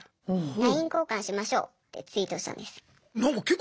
「ＬＩＮＥ交換しましょう」ってツイートしたんです。